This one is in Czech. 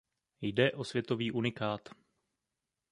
Jde o světový unikát.